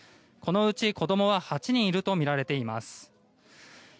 このうち子どもは８人いるとみられています。